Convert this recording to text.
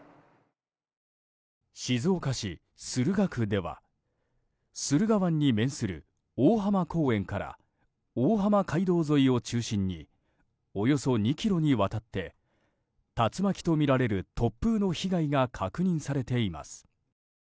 静岡市駿河区では駿河湾に面する大浜公園から大浜街道沿いを中心におよそ２ｋｍにわたって竜巻とみられる突風の被害が確認されています。